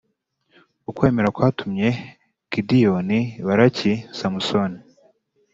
ukwemera kwatumye gideyoni, baraki, samusoni,